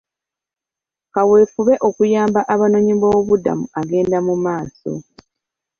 Kaweefube okuyamba abanoonyiboobubuddamu agenda maaso.